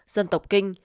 dân tộc kinh